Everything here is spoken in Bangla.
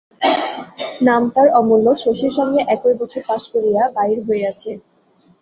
নাম তার অমূল্য, শশীর সঙ্গে একই বছর পাস করিয়া বাহির হইয়াছে।